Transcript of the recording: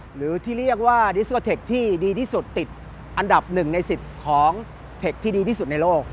หรือที่เรียกว่าดิสโอเทคที่ดีที่สุดติดอันดับ๑ใน๑๐ของเทคที่ดีที่สุดในโลก